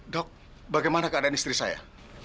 dok bagaimana keadaan istri saya